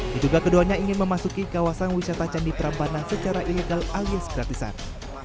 diduga keduanya ingin memasuki kawasan wisata candi prambanan secara ilegal alias gratisan